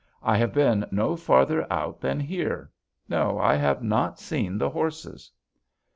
I have been no farther out than here. No, I have not seen the horses.'